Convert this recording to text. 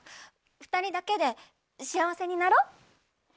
２人だけで幸せになろ。